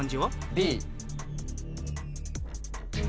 Ｂ。